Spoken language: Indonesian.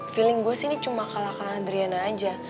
feeling gue sih ini cuma kalah kalah adriana aja